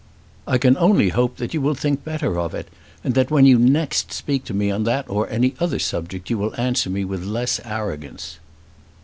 "I can only hope that you will think better of it, and that when next you speak to me on that or any other subject you will answer me with less arrogance."